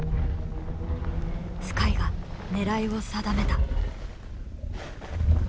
スカイが狙いを定めた。